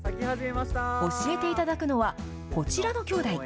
教えていただくのは、こちらのきょうだい。